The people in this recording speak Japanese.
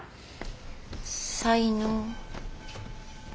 才能。